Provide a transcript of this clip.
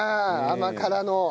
甘辛の。